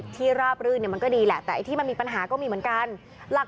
ราบรื่นมันก็ดีแหละแต่ไอ้ที่มันมีปัญหาก็มีเหมือนกัน